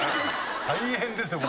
大変ですよこれ。